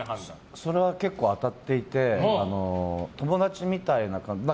それは結構、当たっていて友達みたいな。